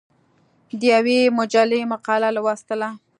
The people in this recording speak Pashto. د یوې مجلې مقاله لوستله.